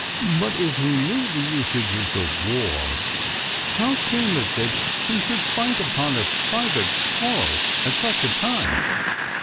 But if he knew the usages of war, how came it that he should fight upon a private quarrel at such a time?